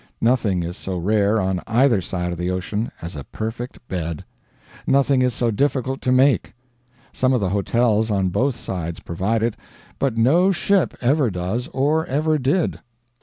Nothing is so rare, on either side of the ocean, as a perfect bed; nothing is so difficult to make. Some of the hotels on both sides provide it, but no ship ever does or ever did.